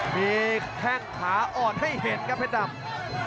มีแข้งขาอ่อนให้เห็นครับเพชรดำ